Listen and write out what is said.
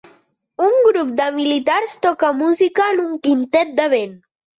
Un grup de militars toca música en un quintet de vent.